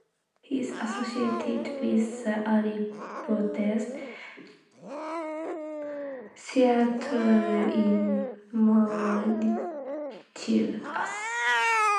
He is associated with the early protest theatre in Mauritius.